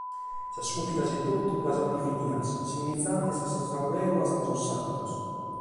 Sas cupitas etotu las ant definidas "simigiantes a sas aurèolas de sos santos”.